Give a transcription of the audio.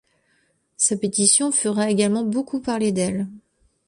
Sa pétition fera également beaucoup parler d'elle.